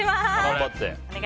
頑張って。